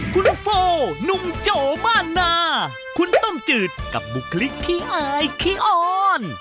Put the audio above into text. คุณโฟนุ่มโจบ้านนาคุณต้มจืดกับบุคลิกขี้อายขี้อ้อน